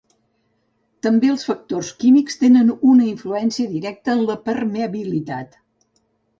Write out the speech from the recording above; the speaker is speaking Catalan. També els factors químics tenen una influència directa en la permeabilitat.